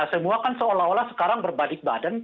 semua kan seolah olah sekarang berbadik badan